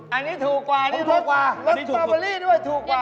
อันนี้ถูกกว่านี่ถูกกว่าลดสตอเบอรี่ด้วยถูกกว่า